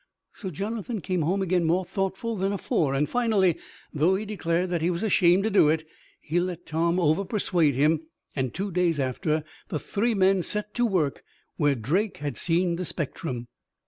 So Jonathan came home again more thoughtful than afore, and finally though he declared that he was ashamed to do it he let Tom overpersuade him; and two days after the three men set to work where Drake had seen the spectrum.